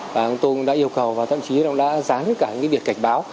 và ông tùng đã yêu cầu và thậm chí ông đã dán cả những việc cảnh báo